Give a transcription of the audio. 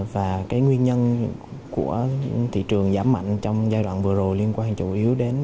và cái nguyên nhân của thị trường giảm mạnh trong giai đoạn vừa rồi liên quan chủ yếu đến